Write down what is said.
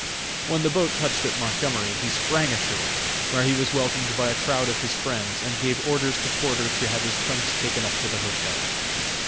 When the boat touched at Montgomery he sprang ashore, where he was welcomed by a crowd of his friends, and gave orders to Porter to have his trunks taken up to the hotel.